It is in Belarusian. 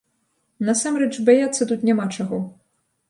Насамрэч, баяцца тут няма чаго.